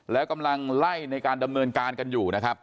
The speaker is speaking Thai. แล้วกำลังไล่ในการดำเนินการกันอยู่นะครับ